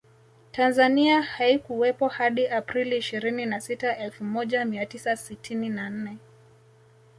Tanzania haikuwepo hadi Aprili ishirini na sita elfu moja mia tisa sitini na nne